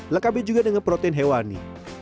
lekabe juga dengan protein hewani